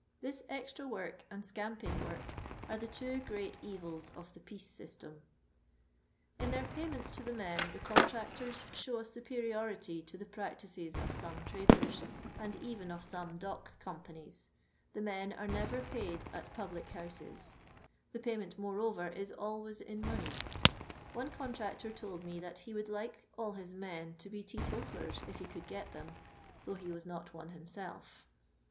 This extra work and scamping work are the two great evils of the piece system. In their payments to their men the contractors show a superiority to the practices of some traders, and even of some dock companies — the men are never paid at public houses ; the payment, more over, is always in money. One contractor told me that he would like all his men to be tee totallers, if he could get them, though he was not one himself.